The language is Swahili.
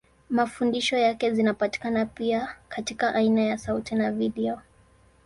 Mafundisho yake zinapatikana pia katika aina ya sauti na video.